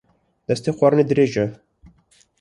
Destê xwarinê dirêj e